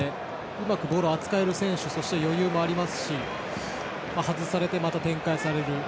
うまくボールを扱える選手そして余裕もありますし外されてまた展開される。